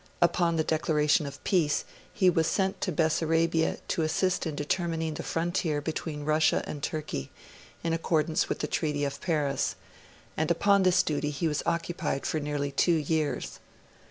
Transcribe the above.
Upon the declaration of peace, he was sent to Bessarabia to assist in determining the frontier between Russia and Turkey, in accordance with the Treaty of Paris; and upon this duty he was occupied for nearly two years.